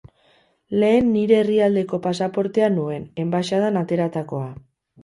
Lehen nire herrialdeko pasaportea nuen, enbaxadan ateratakoa.